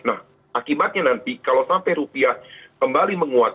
nah akibatnya nanti kalau sampai rupiah kembali menguat